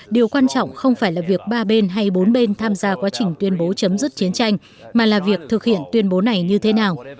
điều quan trọng không phải là việc ba bên hay bốn bên tham gia quá trình tuyên bố chấm dứt chiến tranh mà là việc thực hiện tuyên bố này như thế nào